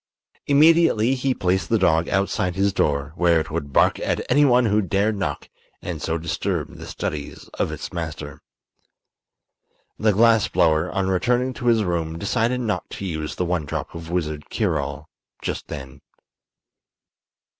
Immediately he placed the dog outside his door, where it would bark at anyone who dared knock and so disturb the studies of its master. The glass blower, on returning to his room, decided not to use the one drop of wizard cure all just then.